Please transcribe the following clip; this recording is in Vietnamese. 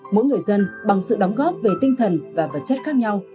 mỗi người dân bằng sự đóng góp về tinh thần và vật chất khác nhau